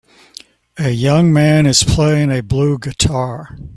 A young man is playing a blue guitar